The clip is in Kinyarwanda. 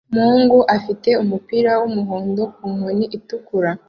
Umugabo afite umupira wumuhondo ku nkoni itukura